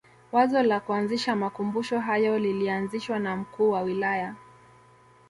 Wazo la kuanzisha makumbusho hayo lilianzishwa na mkuu wa wilaya